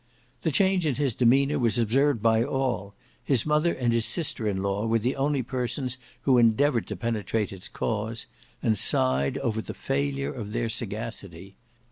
The change in his demeanour was observed by all; his mother and his sister in law were the only persons who endeavoured to penetrate its cause, and sighed over the failure of their sagacity.